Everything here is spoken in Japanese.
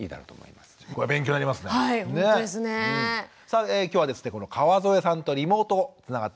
さあ今日はですね川添さんとリモートつながっております。